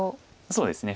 そうですね